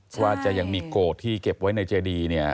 เพราะว่าจะยังมีโกรธที่เก็บไว้ในเจดีเนี่ย